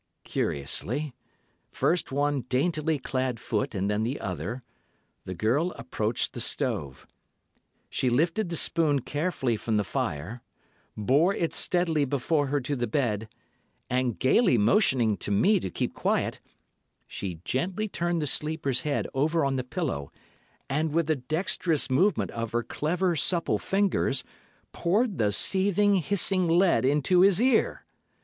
"Cautiously—first one daintily clad foot and then the other—the girl approached the stove. She lifted the spoon carefully from the fire, bore it steadily before her to the bed, and gaily motioning to me to keep quiet, she gently turned the sleeper's head over on the pillow, and with a dexterous movement of her clever, supple fingers, poured the seething, hissing lead into his ear.